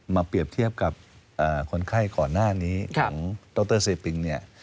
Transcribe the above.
เปรียบเทียบกับคนไข้ก่อนหน้านี้ของดรเซปิงเนี่ย